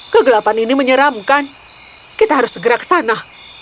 kegelapan ini menyeramkan kita harus segera ke sana